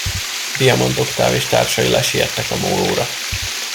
Diamant Oktáv és társai lesiettek a mólóra.